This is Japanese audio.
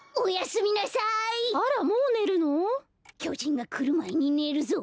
きょじんがくるまえにねるぞ。